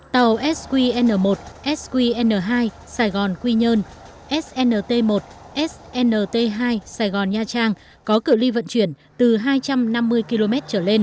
tàu sqn một sqn hai sài gòn quy nhơn snt một snt hai sài gòn nha trang có cự li vận chuyển từ hai trăm năm mươi km